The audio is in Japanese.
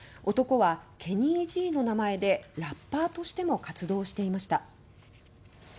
男は「ＫＥＮＮＹ−Ｇ」の名前でラッパーとしても活動していました。